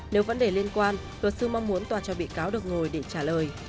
nếu vấn đề liên quan luật sư mong muốn tòa cho bị cáo được ngồi để trả lời